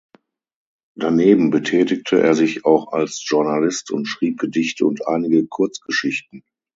Daneben betätigte er sich auch als Journalist und schrieb Gedichte und einige Kurzgeschichten.